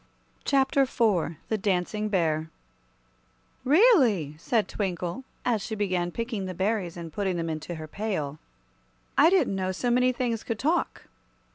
Chapter IV The Dancing Bear "REALLY," said Twinkle, as she began picking the berries and putting them into her pail, "I didn't know so many things could talk."